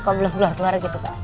kok belum keluar keluar gitu pak